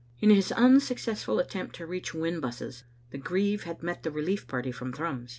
In his unsuccessful attempt to reach Whinbusses, the grieve had met the relief party from Thrums.